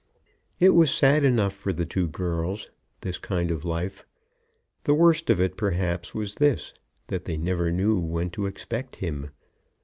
It was sad enough for the two girls, this kind of life. The worst of it, perhaps, was this; that they never knew when to expect him.